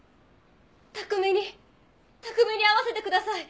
卓海に卓海に会わせてください！